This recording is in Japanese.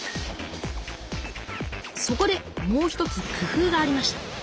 そこでもう一つ工夫がありました。